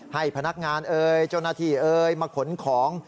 ให้พนักงานเจ้าหน้าที่มาขนของ